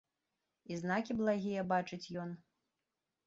І знакі благія бачыць ён.